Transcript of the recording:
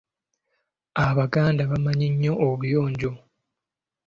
Abaganda bamanyi nnyo obuyonjo.